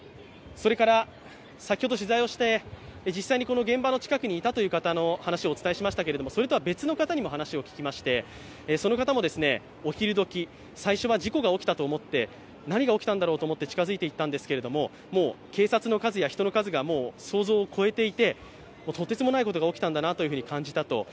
先ほど取材をして実際にこの現場の近くにいたという人のお話を話をお伝えしましたけれども、それとは別の方にもお話を聞きまして、その方もお昼どき、最初は事故が起きたんだと思って、何が起きたのかと近づいていったんですが、もう警察の数や人の数が想像を越えていてとてつもないことが起きたんだなと感じていたと。